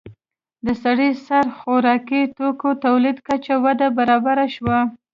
د سړي سر خوراکي توکو تولید کچه دوه برابره شوه.